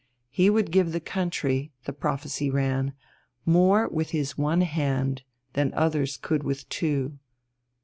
He would give the country, the prophecy ran, more with his one hand than others could with two....